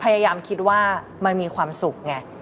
พยายามคิดว่ามันมีความสุขไง